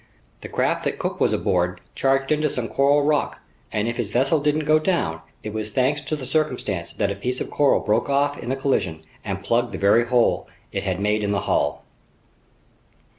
The craft that Cook was aboard charged into some coral rock, and if his vessel didn't go down, it was thanks to the circumstance that a piece of coral broke off in the collision and plugged the very hole it had made in the hull.